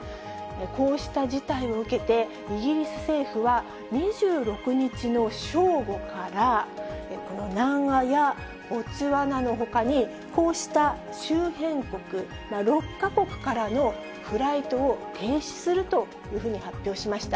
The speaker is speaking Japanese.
こうした事態を受けて、イギリス政府は、２６日の正午から、この南アやボツワナのほかに、こうした周辺国６か国からのフライトを停止するというふうに発表しました。